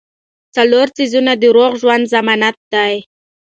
څلور څيزونه د روغ ژوند ضمانت دي -